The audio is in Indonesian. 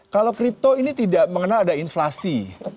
kalau kripto ini tidak mengenal ada inflasi